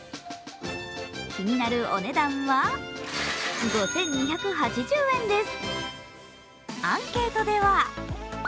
気になるお値段は、５２８０円です。